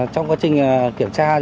trong quá trình kiểm tra